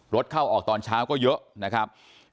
เข้าออกตอนเช้าก็เยอะนะครับ